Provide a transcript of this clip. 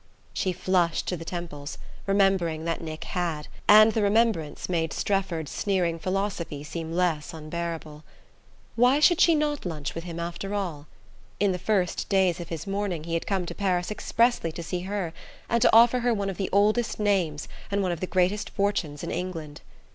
She flushed to the temples, remembering that Nick had; and the remembrance made Strefford's sneering philosophy seem less unbearable. Why should she not lunch with him, after all? In the first days of his mourning he had come to Paris expressly to see her, and to offer her one of the oldest names and one of the greatest fortunes in England.